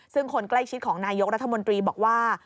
ซึ่งคนใกล้ชิดของนายกรัฐมนตรีบอกว่า